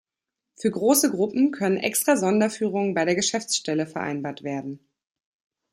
Für große Gruppen können extra Sonderführungen bei der Geschäftsstelle vereinbart werden.